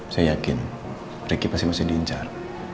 saya yakin ricky pasti masih diincar